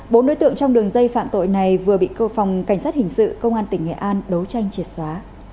bốn đối tượng trong đường dây phạm tội này vừa bị cơ phòng cảnh sát hình sự công an tỉnh nghệ an đấu tranh triệt xóa